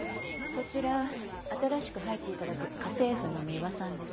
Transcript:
こちら新しく入って頂く家政婦のミワさんです。